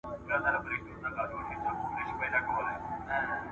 د اقتصادي پرمختګ لپاره سمه پالیسي اړینه ده.